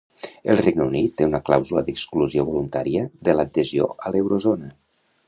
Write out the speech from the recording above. El Regne Unit té una clàusula d'exclusió voluntària de l'adhesió a l'eurozona.